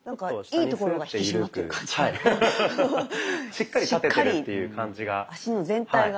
しっかり立ててるっていう感じが。